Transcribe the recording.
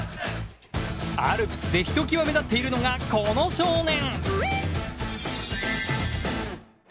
アルプスで一際目立っているのがこの少年。